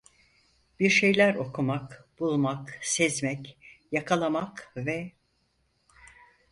Bir şeyler okumak, bulmak, sezmek, yakalamak ve…